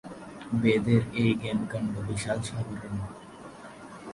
বেদের এই জ্ঞানকাণ্ড বিশাল সাগরের মত।